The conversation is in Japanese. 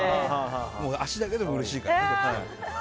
足だけでもうれしいから。